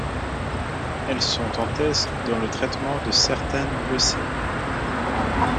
Elles sont en test dans le traitement de certaines leucémies.